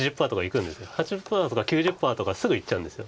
８０％とか９０％とかすぐいっちゃうんです。